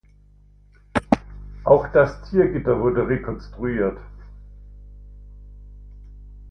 Auch das Ziergitter wurde rekonstruiert.